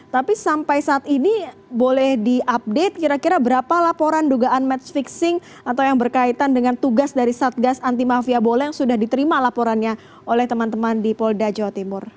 tapi sampai saat ini boleh diupdate kira kira berapa laporan dugaan match fixing atau yang berkaitan dengan tugas dari satgas anti mafia bola yang sudah diterima laporannya oleh teman teman di polda jawa timur